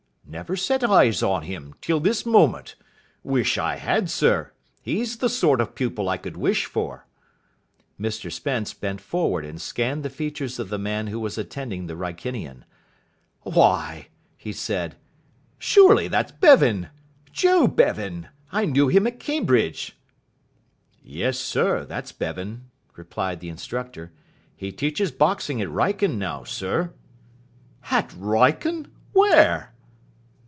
"Never set eyes on him, till this moment. Wish I had, sir. He's the sort of pupil I could wish for." Mr Spence bent forward and scanned the features of the man who was attending the Wrykinian. "Why," he said, "surely that's Bevan Joe Bevan! I knew him at Cambridge." "Yes, sir, that's Bevan," replied the instructor. "He teaches boxing at Wrykyn now, sir." "At Wrykyn where?"